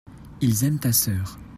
ils aiment ta sœur.